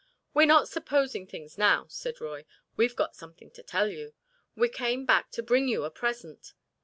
"We're not supposing things now," said Roy. "We've got something to tell you. We came back to bring you a present.